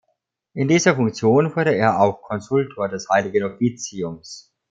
In dieser Funktion wurde er auch Konsultor des Heiligen Offiziums.